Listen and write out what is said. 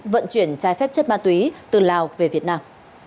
vận chuyển trái phép chất ma túy từ lào về việt nam